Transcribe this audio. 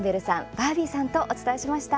バービーさんとお伝えしました。